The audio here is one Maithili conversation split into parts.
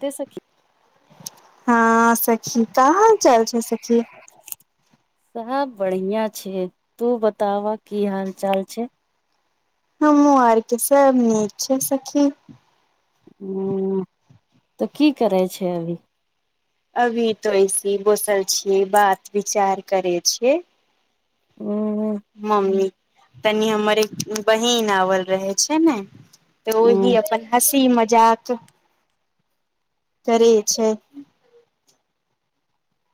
ते सखी ह सखी का हाल -चल छै सखी सब बढ़िया छै तू बताव की हाल चाल छै हमु और के सब नीक छै सखी हूँ तऽ की करै छै अभी अभी तऽ ऐसे बोसल छियै बात विचार करै छियै हूँ मम्मी तनी हमर एक बहिन आवल रहै छै ने तऽ ओहि अपन हँसी मजाक करैय छै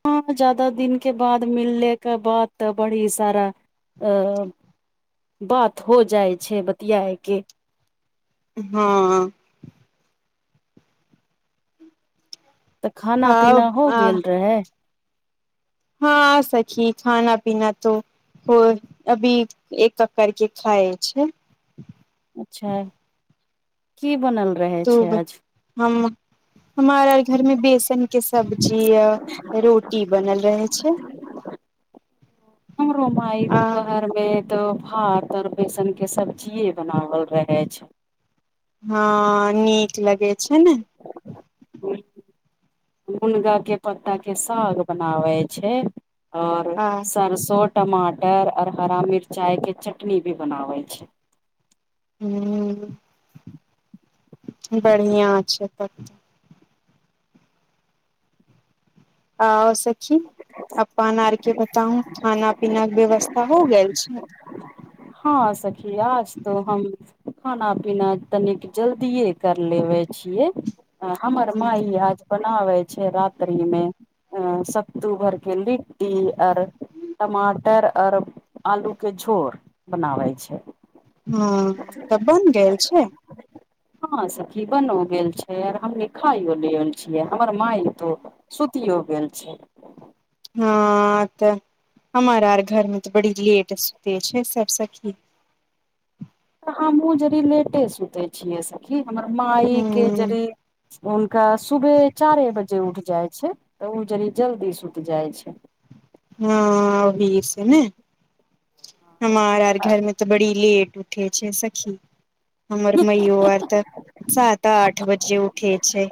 ह ज्यादा दिन के बाद मिले के बाद तऽ बड़ी सारा अ बात हो जाय छै बतिऐय के हँ तऽ खाना पीना हो हँ गेल रहै ह सखी खाना पीना तो को अभी एक कक कर के खाय छैय अच्छा की बनल रहे छै तुब आज हम हमारा घर मे बेसन के सब्जी य रोटी बनल रहै छै हमरो माई आ दुपहर में तऽ भात और बेसन के सब्जीेये बनावल रहेै छै ह नीक लगै छै ने [inaudible] मुनगा के पत्ता के साग बनावे छै और आ सरसो टमाटर और हरा मिरचाय के चटनी भी बनावे छै हुँ बढ़िया छै तब तऽ अओ सखी अपन आर के बताउ खाना पीना के व्यवस्था हो गेल छैय ह सखी आज तऽ हम खाना पीना तनिक जल्दिए कर लेबे छियै आ हमर माई आज बनाबै छै रात्रि मे सत्तू भर के ली टी आर टमाटर और आलू के झोर बनाबे छै हँ तऽ बन गेल छै ह सखी बनो गेल छै आर हम लखायो लेल छियै हमर माय तो सुतियो गेल छैय ह तऽ हमार आर घर में तऽ बड़ी लेट सुते छैय सब सखी हमहूँ जड़ी लेटे सुतै छियै सखी हमर ह माइके जड़ी हुनका सुबह चारे बजे उठ जाय छै तऽ ओ जरी जल्दी सुत जाय छै हूँ अभी से नै हमार आर घरमे तऽ बड़ी लेट उठे छै सखी हमर मैयो आर तऽ सात आठ बजे उठे छै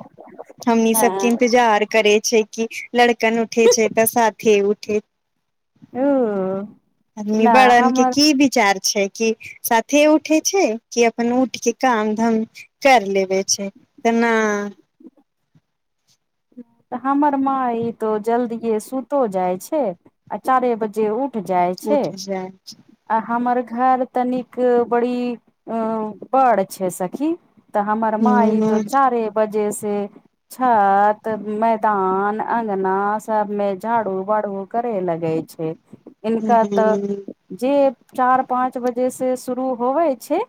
हमनी सब तिन इन्तजार करे छिये कि लड़कन उठे छै तऽ साथ उठे ओ नहि बड़ानके हमर की ई विचार छै कि साथे उठे छै कि अपन उठ के काम धम कर लेबे छै तऽ ना हमर माँई तो जल्दिए सुतो जाइ छै आ चारे बजे उ उठ जाय छै उठ जाइ छै। आ हमर घर तनिक बड़ी बड़ छै सखी तऽ हमर माई तो चारे बजे से छत तऽ मैदान अंगना सब मे झाड़ू बाड़ू करे लगे छै इनका तऽ जे चार पाँच बजे से शुरू होबै छै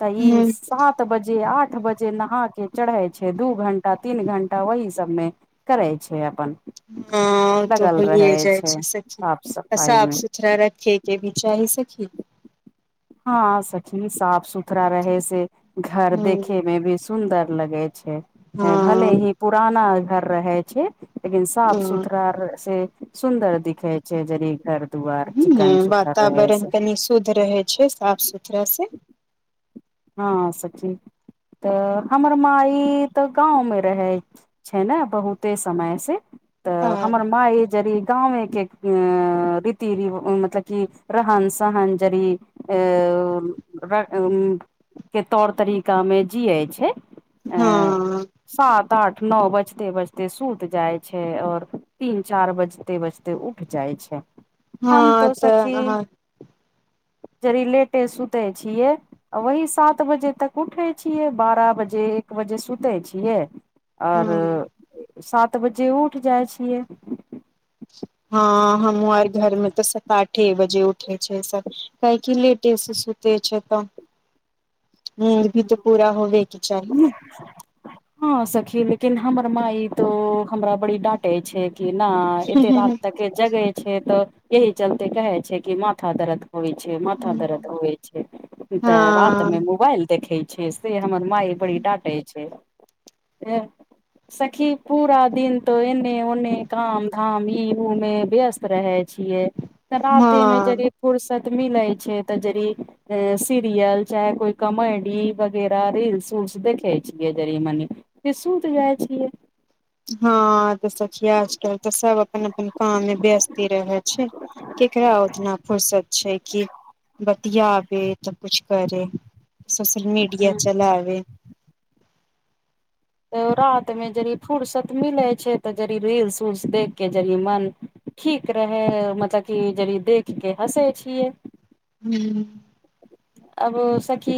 तऽ ई हूँ सात बजे आठ बजे नहा के चढ़े छै दू घंटा तीन घण्टा ओह सबमे करै छै अपन हँ तऽ उ लगल होए रहै जाइ छै सखी साफ सफाई साफ मे सुथरा रख के भी चााही सकी हँ सखि साफ सुथरा रहे से घर ह देखे में भी सुंन्दर लगे छै भले हँ ही पुराना घर रहै छै लेकिन साफ ह सुथरा से सुन्दर दिखे छै यदी घर दुआर हू चिकन सुथर रहे वातावरण से कनि शुद्ध रहै छै साफ सुथराास से हँ सखी तऽ हमर माई तऽ गाँंव मे रहै छै ने बहुते समय से हँ तऽ हमर माँ ई गाँवमेके अ रीति रव मतलब कि रहन सहन जरी अ के तौर तरीकामे जियै छै अ हँ सात आठ नओ बजते बजते सुत जाय छै और तीन चार बजते बजते ते उठ जाइ छै हम हँ तो तऽ सखी अहाँ जरी लेटे सुूते छियै वहि सात बजे तक उठे छियै बारह बजे एक बजे सुते छियै आओर हँ सात बजे उठ जाइ छियै हँ हमूँ आर घर में तऽ सात आठे बजे उठे छै सब किया की लेटे सऽ सुते छै तऽ नीद भी तऽ पूरा होबे की चाही ने हँ सखी लेकिन हमर माइ तो हमरा बड़ी डाँटे छै कि नऽ एते राात हँ तक के जगे छै तऽ एहिह चलते कहे छै कि माथा दर्द होइ छै माथा दर्द छै तऽ रात मे हँ मोबाइल देखे छै से हमर माय बड़ी ाटे छै से सखी पूरा दिन तो एने ओने काम धाम ई उमे व्यस्त रहे छियै तऽ रातीमे जद फुर्सत मिलैत छै तऽ जरी अ सीरियल चाहे कोई कमेडी वगैरा रील्स रिल्स देखे छियै जड़ि मनी फेर सुत जाय छियै हँ तऽ सखी आजकल तऽ सब अपन अपन काममे व्यस्ते रहै छै केकरा उतना फर्सत छै कि बतियाबे तऽ कुछ करे सोशल मीडिया हूँ चलाबे तऽ रातिमे जड़ि फुर्सत मिलै छै तऽ जड़ रील्स उल्स देख कऽ जड़ मन ठीक रहै मतलब कि जदि देख के हँसे छियै हू अब सखी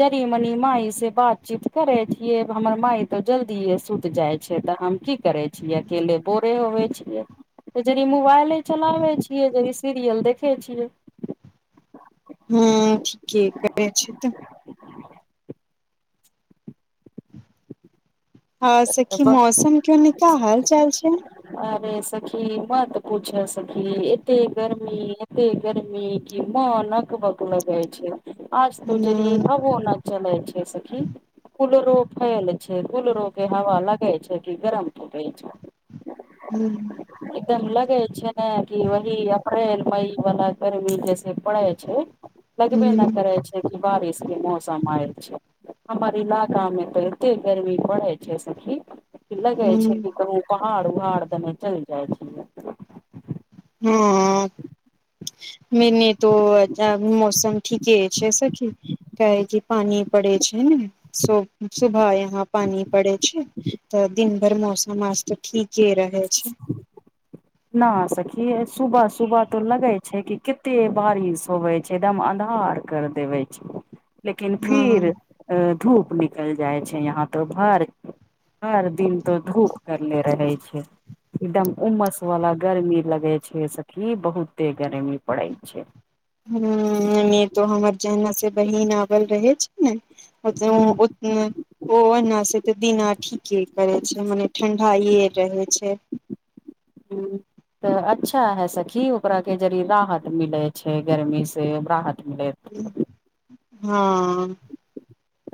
जनी मनी माय से बातचीत करे छियै हमर मााय तऽ जल्दी सुति जाय छै ते हम की कि करे छियै अकेले बोरे होेबे छियै सोचले मोबाइले चलाबे छियै जे सीरियल देखे छियै हू ठीके करै छैथि हँ सखी मौसम के ओनि का हाल चाल छै अरे सखी मत पूछऽ सखी एते गर्मी एते गर्मी कि मन अक बक लगै छै आज तो जरी हबो नऽ चलै छै सखी कूलरो फेल छै कूलरो केँ हव लगे छै कि गरम फेकैइ छै हुँ एकदम लगे छै नऽ कि वही अप्रैल मई वला गर्मी जैसे पड़े छै लगबे नऽ हँ करै छै कि बारिश केँ मौसम आयल छै हम्मर इलाका मे तऽ एते गर्मी पड़ै छै‌ सखी की लगे छै हँ कि कहुँ पहाड़ उहाड़ देने चैल जाइ छिये हँ मेनी तो [unintelligible] मौसम ठीके छै सखी काहे की पानि पड़े छै ने सु - सुबह यहाँ पानी पड़े छै तऽ दिन भर मौसम आज तऽ ठीके रहै छै नऽ सखी यै सुबह सुबह तो लगे छै कि केते बारिश होवे छै एकदम अन्धार कर देबै छै [inaudible] लेकिन फिर हँ अ धूप निकलि जाइ छै यहाँ तो भर भर दिन तो धूप करनेे रहै छै एकदम उमस वाला गर्मी लगे छै सखी बहुते गर्मी पड़े छै हुँ एमे तो हमर जेहना से बहिन आबल रहे छै नऽ ओतए हूँ ओत ओ ओना से तऽ दिना ठीके करे छै मने ठंडाये रहे छै हुँ तऽ अच्छा है सखी ओकरा केँ जरि राहत मिलै छै गर्मी से राहत मिलैत हँ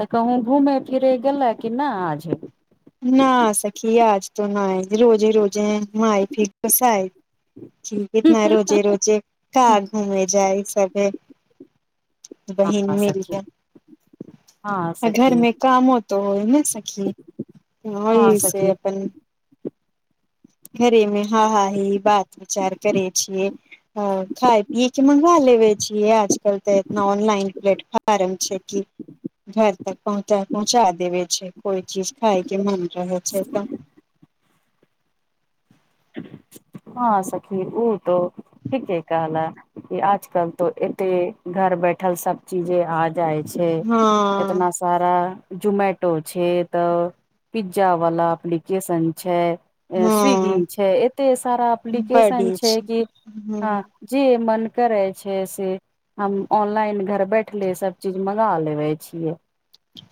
तऽ कहूँ घुमे फिरे गेलै कि नऽ आज ना सखी आज तो नाय रोजे रोजे माय फिर गुस्साए कि इतना रोजे रोजे का घूमेै जाय सभे बहिन हँ मिल सखी केँ हँ आ सखी घरमे कामो तऽ होइ नइ सखी हँ होइ से अपन घरेमे हँ हा - हा हि - हि बात विचार करै छियै हँ खाय पियै केँ मंगवा लेबे छियै आज कल ते एतना ऑनलाइन प्लेटफॉर्म छै कि घर तक पहुँचा पहुँचा देबै छै कोइ चीज खाय केँ मन रहै छै तऽ हँ सखी ऊ तो ठीके कहलऽ की आजकल तो एते घर बैठल सब चीजे आ जाइ छै एतना हँ सारा जोमेटो छै तऽ पिज्जा वाला एप्लिकेशन छै स्विगी हँ छै एते सारा एप्लिकेशन छै कि हँ जे मन करै छै से हम ऑनलाइन घर बैठले सब चीज मगा लेबै छियै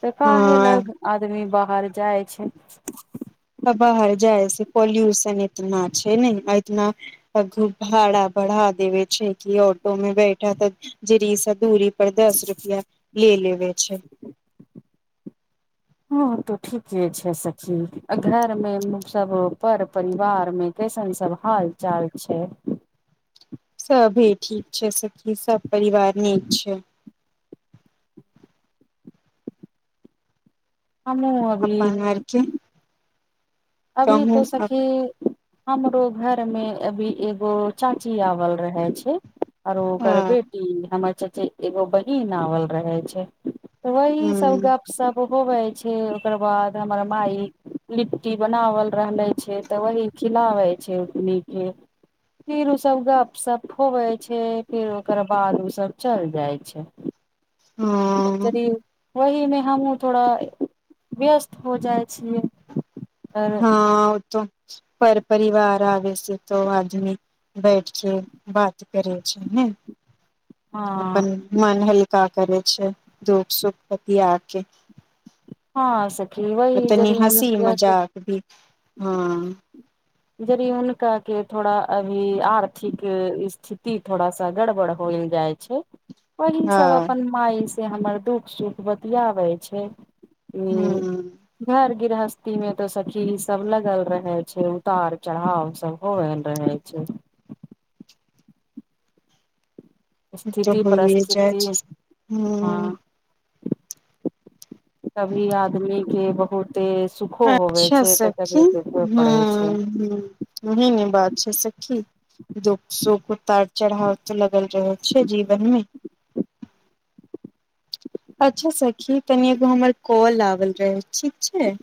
तऽ काहे हँ लग आदमी बाहर जाइ छै तऽ बाहर जाइ से पॉल्यूशन इतना छै नय इतना सब घु भाड़ा बढ़ा देवे छै कि ऑटो मे बैठा तऽ जेरी सा दूरी पर दस रुपया ले लेबै छै हँ तो ठीके छै सखी अ घर मे सब पर परिवार मे कैसन सब हाल चाल छै सभी ठीक छै सखी सब परिवार नीक छै हमहू अपन ओर के अभी तऽ सखी हमरो घर मे अभी एगो चाची आवल रहे छै आरो ओकर ह बेटी हमर चचे एगो बहिन आवल रहे छै वही सब गपशप होबै छै ओकर बाद हमर माई लिट्टी बनावल रहले छै तऽ वह खिलाबे छै रूनी के फिर ओ सब गप सप होवै छै फिर ओकर बाद ओ सब चल जाइ छै हँ जदी वही मे हमहूँ थोड़ा व्यस्त हो जाइ छिय हँ ओ तऽ पर परिवार आ बै सऽ तऽ आदमी बैठके बात करै छै नय हँ अपन मन हल्का करै छै दुःख सुख बतिया के हँ से अऽ तनी हँसी मजाक भी हँ यदि हुनका के थोड़ा अभी आर्थिक स्थिति थोड़ा सा गड़बड़ होल जाय ओहे सभ हँ अपन मायसँ हमर दुःख सुख बतियाबै छै उ हूँ घर गृहस्थी मे तऽ सखी ई सब लगल रहे छै उतार चढ़ाव सब होवल रहे छै तऽ स्थिति होइए जाइ परिस्थिति छै हँ कभी आदमी के बहुते सुखो होवे अच्छा छै तऽ कभी दुखो पड़े छै हू उहेय नहि बात छै सखी दुःख सुख उतार चढ़ाव तऽ लगल रहे छै जीवनमे अच्छा सखी तनि एगो हमर कॉल आवल रहै ठीक छै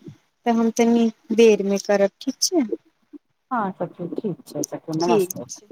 तऽ हम तनी देर मे करब ठीक छै हँ सखी तऽ ठीक छै सखी ठीक नमस्ते छै